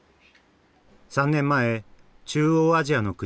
３年前中央アジアの国